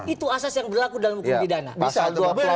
itu asas yang berlaku dalam hukum pidana